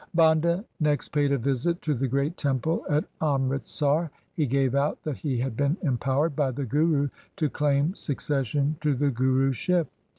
Banda next paid a visit to the great temple at Amritsar. He gave out that he had been empowered by the Guru to claim succession to the Guruship.